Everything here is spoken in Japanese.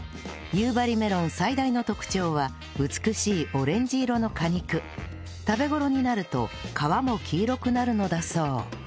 夕張メロン最大の特徴は美しいオレンジ色の果肉食べ頃になると皮も黄色くなるのだそう